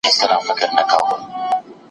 نوي درسونه د استاد لخوا وړاندې کېږي.